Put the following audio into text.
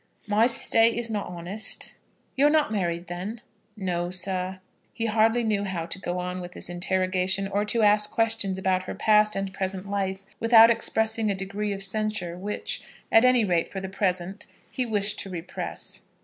"My state is not honest." "You are not married, then?" "No, sir." He hardly knew how to go on with this interrogation, or to ask questions about her past and present life, without expressing a degree of censure which, at any rate for the present, he wished to repress.